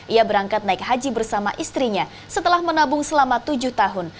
ia berangkat naik haji bersama istrinya setelah menabung selama tujuh tahun